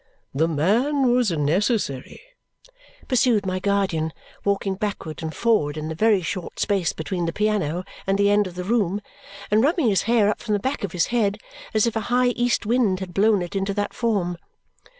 "The man was necessary," pursued my guardian, walking backward and forward in the very short space between the piano and the end of the room and rubbing his hair up from the back of his head as if a high east wind had blown it into that form.